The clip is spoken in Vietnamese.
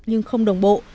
nhưng không đồng bộ